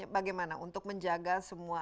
bagaimana untuk menjaga semua